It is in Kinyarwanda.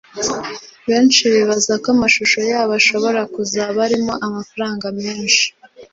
Benshi bibaza ko amashusho yayo ashobora kuzaba arimo amafaranga menshi